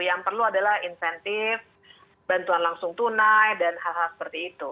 yang perlu adalah insentif bantuan langsung tunai dan hal hal seperti itu